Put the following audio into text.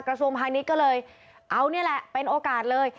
กระทรวงพาณิชย์ก็เลยเอานี่แหละเป็นโอกาสเลย